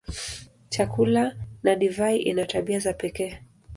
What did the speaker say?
Chakula na divai ina tabia za pekee.